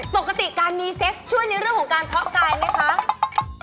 ปกติการมีเซ็กซช่วยในเรื่องของการเพาะกายไหมคะ